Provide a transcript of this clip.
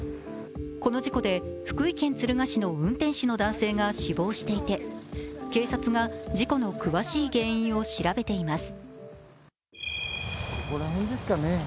この事故で福井県敦賀市の運転手の男性が死亡していて、警察が事故の詳しい原因を調べています。